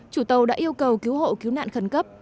chủ tàu đã yêu cầu cứu hộ cứu nạn khẩn cấp